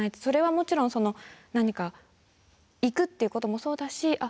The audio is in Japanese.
それはもちろん何か行くっていうこともそうだし